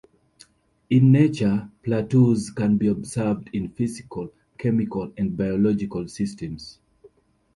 In nature, plateaus can be observed in physical, chemical and biological systems.